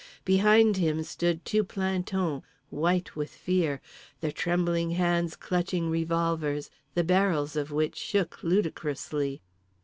Behind him stood two plantons white with fear; their trembling hands clutching revolvers, the barrels of which shook ludicrously.